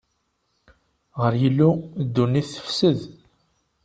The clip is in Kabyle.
Ɣer Yillu, ddunit tefsed;